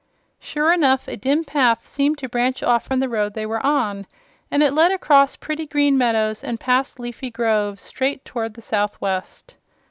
Sure enough, a dim path seemed to branch off from the road they were on, and it led across pretty green meadows and past leafy groves, straight toward the southwest.